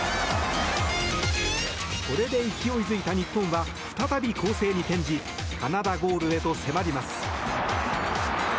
これで勢いづいた日本は再び攻勢に転じカナダゴールへと迫ります。